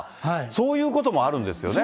そういうこともあるんですよね。